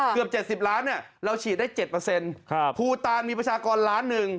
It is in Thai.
เกือบ๗๐ล้านเราฉีดได้๗ภูตานมีประชากรล้านหนึ่ง